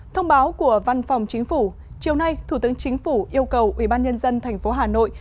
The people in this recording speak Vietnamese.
thông báo của văn phòng chính phủ chiều nay thủ tướng chính phủ yêu cầu ubnd tp hà nội